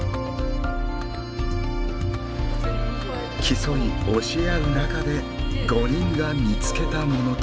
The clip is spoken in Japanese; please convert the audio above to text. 競い教え合う中で５人が見つけたものとは。